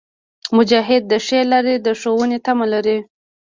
مجاهد د ښې لارې د ښوونې تمه لري.